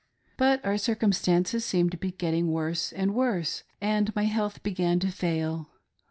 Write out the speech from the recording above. But our circumstances seemed to be getting worse and worse, and my health began to fail.